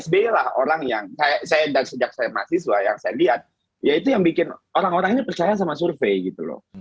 sby lah orang yang saya dan sejak saya mahasiswa yang saya lihat ya itu yang bikin orang orang ini percaya sama survei gitu loh